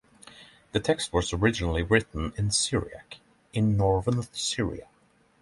The text was originally written in Syriac in Northern Syria.